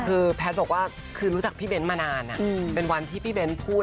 คือแพทย์บอกว่าคือรู้จักพี่เบ้นมานานเป็นวันที่พี่เบ้นพูด